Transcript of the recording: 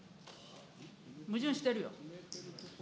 矛盾してるよ。